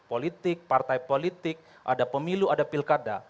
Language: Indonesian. politik partai politik ada pemilu ada pilkada